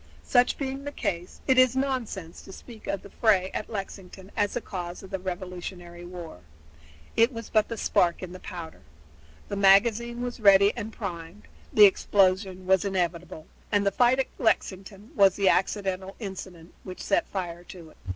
Such being the case, it is nonsense to speak of the fray at Lexington as the cause of the Revolutionary War. It was but the spark in the powder. The magazine was ready and primed, the explosion was inevitable, and the fight at Lexington was the accidental incident which set fire to it.